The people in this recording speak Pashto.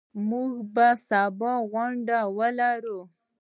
موږ به سبا غونډه ولرو.